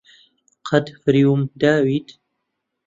قەت فریوم داویت؟